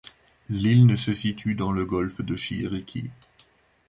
L'île ne situe dans le golfe de Chiriquí.